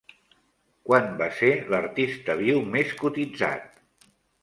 Quan va ser l'artista viu més cotitzat?